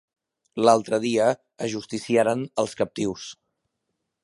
L'altre dia ajusticiaren els captius.